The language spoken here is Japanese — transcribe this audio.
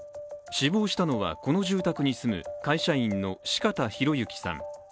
死亡したのはこの住宅に住む会社員の四方洋行さん。